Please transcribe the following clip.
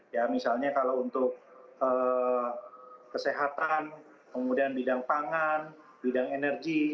ya misalnya kalau untuk kesehatan kemudian bidang pangan bidang energi